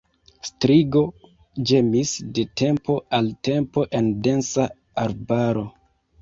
Strigo ĝemis de tempo al tempo en densa arbaro.